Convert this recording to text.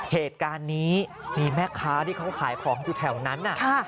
เหตุการณ์นี้มีแม่ค้าที่เขาขายของอยู่แถวนั้น